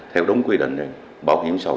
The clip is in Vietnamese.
theo đúng quy định bảo hiểm sầu